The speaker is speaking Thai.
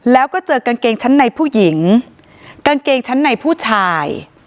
แล้วก็เจอกางเกงชั้นในผู้หญิงกางเกงชั้นในผู้ชาย